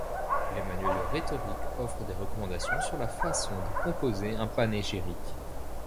Les manuels de rhétorique offrent des recommandations sur la façon de composer un panégyrique.